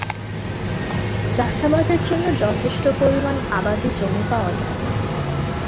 চাষাবাদের জন্য যথেষ্ট পরিমাণ আবাদি জমি পাওয়া যায়না।